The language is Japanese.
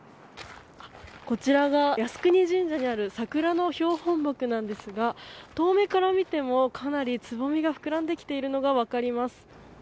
こちらが靖国神社にある桜の標本木なんですが遠目から見ても、かなりつぼみが膨らんできているのが分かります。